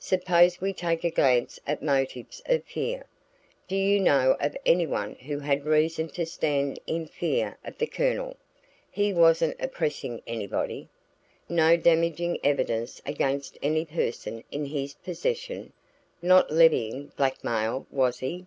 Suppose we take a glance at motives of fear. Do you know of anyone who had reason to stand in fear of the Colonel? He wasn't oppressing anybody? No damaging evidence against any person in his possession? Not levying blackmail was he?"